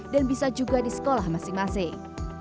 dan bisa juga di sekolah masing masing